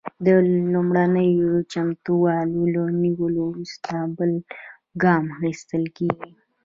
د لومړنیو چمتووالو له نیولو وروسته بل ګام اخیستل کیږي.